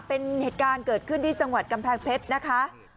เป็นเหตุการณ์เกิดขึ้นที่จังหวัดกำแพงเพชรนะคะ